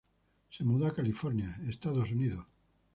Se mudó a California, Estados Unidos.